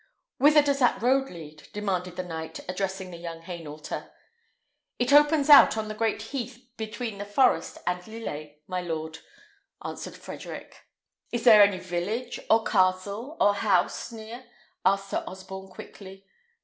"Whither does that road lead?" demanded the knight, addressing the young Hainaulter. "It opens out on the great heath between the forest and Lillers, my lord," answered Frederick. "Is there any village, or castle, or house near?" asked Sir Osborne quickly.